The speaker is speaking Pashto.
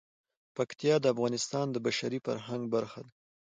پکتیا د افغانستان د بشري فرهنګ برخه ده.